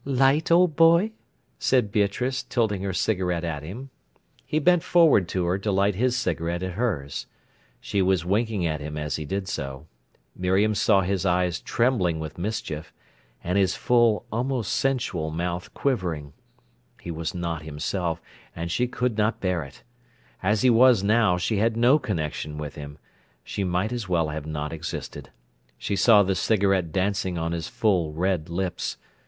"Light, old boy?" said Beatrice, tilting her cigarette at him. He bent forward to her to light his cigarette at hers. She was winking at him as he did so. Miriam saw his eyes trembling with mischief, and his full, almost sensual, mouth quivering. He was not himself, and she could not bear it. As he was now, she had no connection with him; she might as well not have existed. She saw the cigarette dancing on his full red lips.